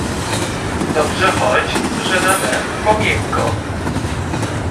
Dobrze choć, że na mech, bo miękko.